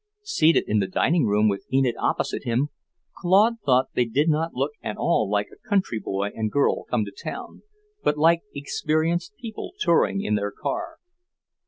Seated in the dining room, with Enid opposite him, Claude thought they did not look at all like a country boy and girl come to town, but like experienced people touring in their car.